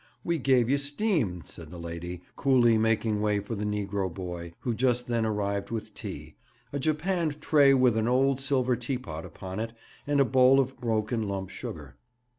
We gave you steam,' said the lady, coolly making way for the negro boy, who just then arrived with tea a japanned tray with an old silver teapot upon it and a bowl of broken lump sugar.